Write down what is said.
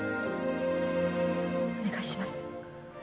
お願いします。